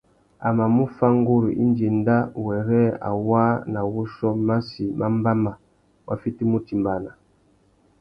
A mà mú fá nguru indi enda wêrê a waā nà wuchiô massi mà mbáma wa fitimú utimbāna.